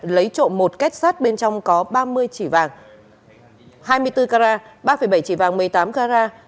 lấy trộm một kết sát bên trong có ba mươi chỉ vàng hai mươi bốn carat ba bảy chỉ vàng một mươi tám carat